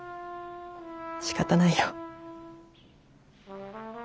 しかたないよ。